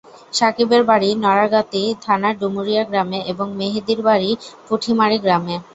সাকিবের বাড়ি নড়াগাতি থানার ডুমুরিয়া গ্রামে এবং মেহেদীর বাড়ি পুঠিমারি গ্রামে।